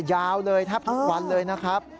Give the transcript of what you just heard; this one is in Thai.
ยาวเลยแทบทุกวันเลยนะครับ